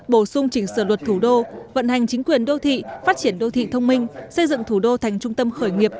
bổ sung chỉnh sửa luật thủ đô vận hành chính quyền đô thị phát triển đô thị thông minh xây dựng thủ đô thành trung tâm khởi nghiệp